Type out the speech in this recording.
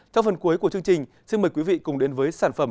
trong phần cuối của chương trình xin mời quý vị cùng đến với sản phẩm